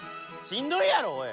しんどいやろおい！